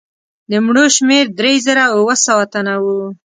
د مړو شمېر درې زره اووه سوه تنه وو.